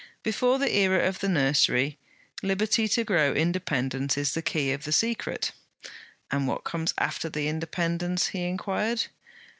'Before the era of the Nursery. Liberty to grow; independence is the key of the secret.' 'And what comes after the independence?' he inquired.